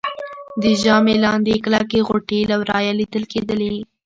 د ژامې لاندې يې کلکې غوټې له ورایه لیدل کېدلې